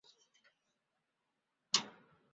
治所在宜盛县。